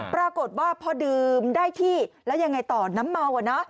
ปรากฏว่าพอดื่มได้ที่แล้วยังไงต่อน้ำเมาอะนะ